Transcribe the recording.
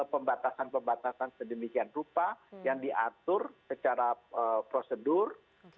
pembatasan pembatasan sedemikian rupa yang diatur secara prosedur